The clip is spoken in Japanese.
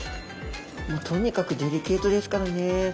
とにかくデリケートですからね。